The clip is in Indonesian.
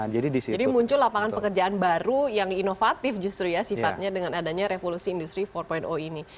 jadi muncul lapangan pekerjaan baru yang inovatif justru ya sifatnya dengan adanya revolusi industri empat ini